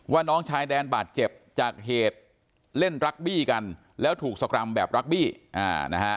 น้องชายแดนบาดเจ็บจากเหตุเล่นรักบี้กันแล้วถูกสกรรมแบบรักบี้นะฮะ